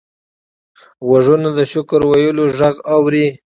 غوږونه د شکر ویلو غږ اوري